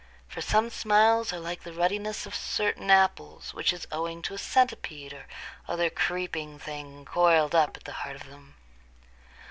For some smiles are like the ruddiness of certain apples, which is owing to a centipede, or other creeping thing, coiled up at the heart of them.